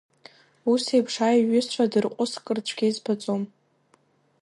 Ус еиԥш аиҩызцәа дырҟәыскыр цәгьа избаӡом…